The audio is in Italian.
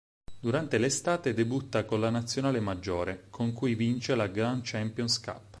Durante l'estate debutta con la nazionale maggiore, con cui vince la Grand Champions Cup.